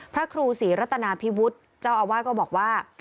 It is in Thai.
พระครูศรีรัตนาพิวุฒิเจ้าอาวาสก็บอกว่า